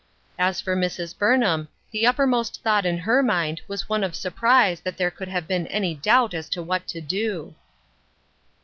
As for Mrs. Burnham, the uppermost thought in her mind was one of surprise that there could have been any doubt as to what to do.